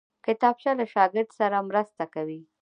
کتابچه له شاګرد سره مرسته کوي